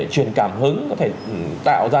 truyền cảm hứng có thể tạo ra